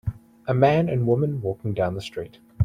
A man and woman walking down the street.